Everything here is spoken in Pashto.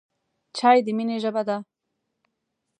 چای د مینې ژبه ده.